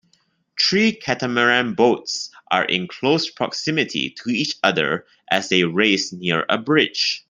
Three catamaran boats are in close proximity to each other as they race near a bridge.